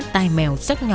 tài mèo sắc nhọn